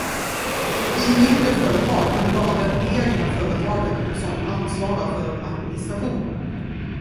I mindre företag kan det vara den egna företagaren som ansvarar för administrationen.